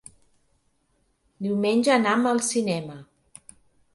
Diumenge anam al cinema.